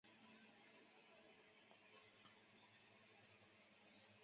于兹为下邳相笮融部下。